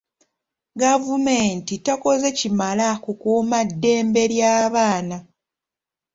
Gavumenti tekoze kimala kukuuma ddembe ly'abaana.